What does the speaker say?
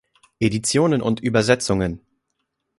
Editionen und Übersetzungen